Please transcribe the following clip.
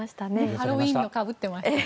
ハロウィーンのかぶってましたね。